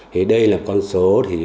thế đây là con số thì